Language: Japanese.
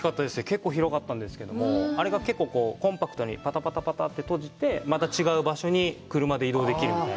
結構広かったんですけども、あれが結構コンパクトにぱたぱたぱたって閉じて、また違う場所に車で移動できると。